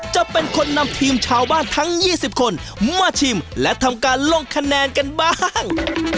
จะเป็นคนนำทีมชาวบ้านทั้ง๒๐คนมาชิมและทำการลงคะแนนกันบ้าง